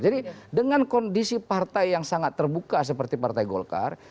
jadi dengan kondisi partai yang sangat terbuka seperti partai golkar